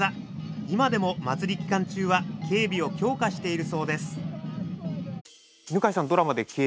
今でも祭り期間中は警備を強化しているそうです。